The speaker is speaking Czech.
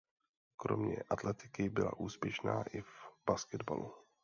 Kromě atletiky byla úspěšná i v basketbalu.